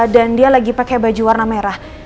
dan dia lagi pakai baju warna merah